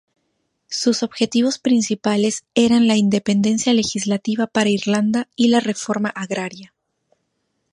Sus objetivos principales eran la independencia legislativa para Irlanda y la reforma agraria.